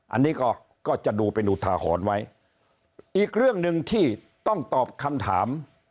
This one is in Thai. อันนี้ก็ก็จะดูเป็นอุทาหรณ์ไว้อีกเรื่องหนึ่งที่ต้องตอบคำถาม